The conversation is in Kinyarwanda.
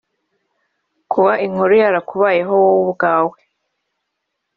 Kuba inkuru yarakubayeho wowe ubwawe